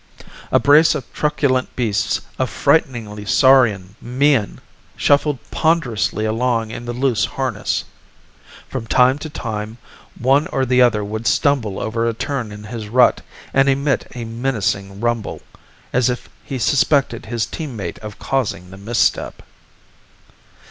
A brace of truculent beasts of frighteningly saurian mien shuffled ponderously along in the loose harness. From time to time, one or the other would stumble over a turn in his rut and emit a menacing rumble as if he suspected his team mate of causing the misstep.